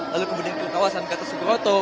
lalu kemudian ke kawasan gata sukroto